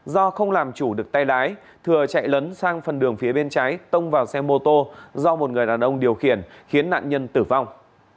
do không làm chủ được tay lái thừa chạy lấn sang phần đường phía bên trái tông vào xe mô tô do một người đàn ông điều khiển khiến nạn nhân tử vong